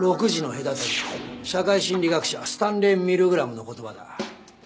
社会心理学者スタンレー・ミルグラムの言葉だ。